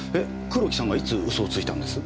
黒木さんがいつ嘘をついたんです？